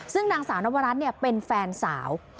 ซึ่งนางสาวนวรัฐเป็นแฟนสาว